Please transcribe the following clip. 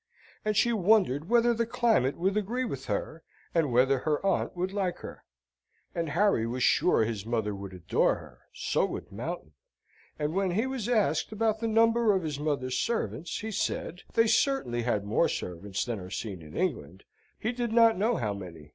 And she wondered whether the climate would agree with her, and whether her aunt would like her? And Harry was sure his mother would adore her, so would Mountain. And when he was asked about the number of his mother's servants, he said, they certainly had more servants than are seen in England he did not know how many.